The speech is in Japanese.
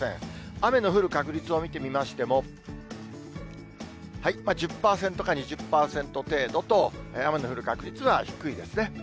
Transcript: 雨の降る確率を見てみましても、１０％か２０％程度と、雨の降る確率は低いですね。